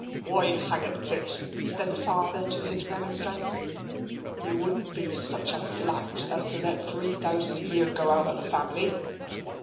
"Why, hang it, Pitt!" said the father to his remonstrance. "You wouldn't be such a flat as to let three thousand a year go out of the family?"